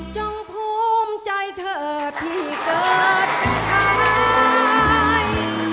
จงภูมิใจเธอที่เกิดจากท้าย